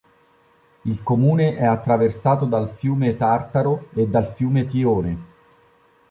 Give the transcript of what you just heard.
Il comune è attraversato dal fiume Tartaro e dal fiume Tione.